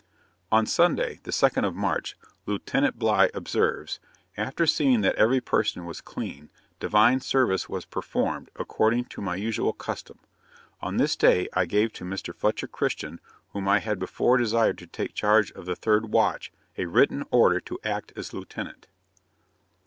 On Sunday, the 2nd of March, Lieutenant Bligh observes, 'after seeing that every person was clean, Divine service was performed, according to my usual custom. On this day I gave to Mr. Fletcher Christian, whom I had before desired to take charge of the third watch, a written order to act as lieutenant.'